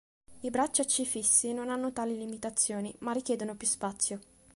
I bracci a C fissi non hanno tali limitazioni, ma richiedono più spazio.